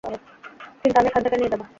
কিন্তু আমি এখান থেকে নিয়ে যাব।